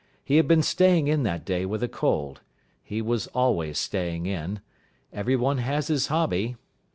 He had been staying in that day with a cold. He was always staying in. Everyone has his hobby.